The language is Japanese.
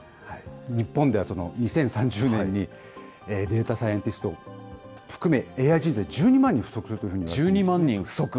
日本では、２０３０年に、データサイエンティストを含め、ＡＩ人材１２万人不足するというふうに１２万人不足？